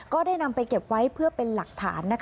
ก็ได้นำไปเก็บไว้เพื่อเป็นหลักฐาน